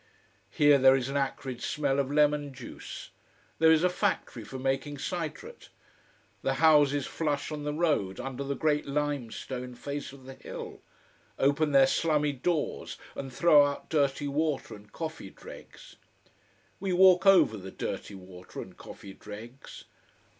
Here there is an acrid smell of lemon juice. There is a factory for making citrate. The houses flush on the road, under the great lime stone face of the hill, open their slummy doors, and throw out dirty water and coffee dregs. We walk over the dirty water and coffee dregs.